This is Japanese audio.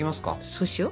そうしよ。